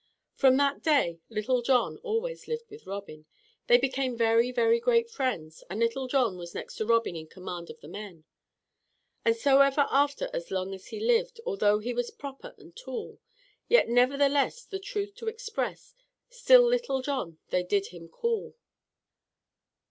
From that day Little John always lived with Robin. They became very, very great friends and Little John was next to Robin in command of the men. "And so ever after as long as he lived, Although he was proper and tall, Yet, nevertheless, the truth to express, Still Little John they did him call."